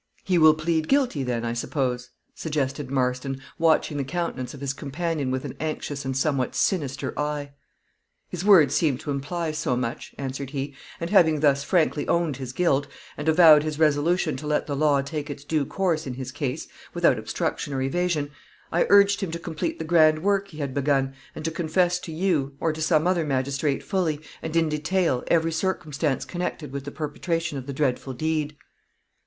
"He will plead guilty, then, I suppose?" suggested Marston, watching the countenance of his companion with an anxious and somewhat sinister eye. "His words seem to imply so much," answered he; "and having thus frankly owned his guilt, and avowed his resolution to let the law take its due course in his case, without obstruction or evasion, I urged him to complete the grand work he had begun, and to confess to you, or to some other magistrate fully, and in detail, every circumstance connected with the perpetration of the dreadful deed."